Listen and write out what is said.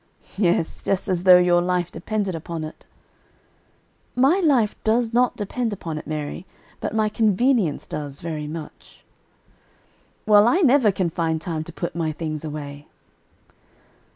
"Yes, just as though your life depended upon it." "My life does not depend upon it, Mary, but my convenience does very much." "Well, I never can find time to put my things away."